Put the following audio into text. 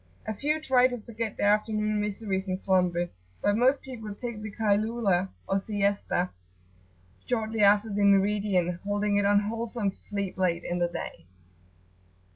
A few try to forget their afternoon miseries in slumber, but most people take the Kaylulah, or Siesta, shortly after the meridian, holding it unwholesome to sleep late in the day.